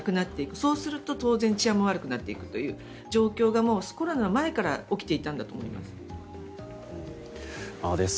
そうすると当然、治安も悪くなっていくという状況がもうコロナの前から起きていたんだと思います。